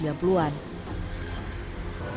mas anis pernah dengar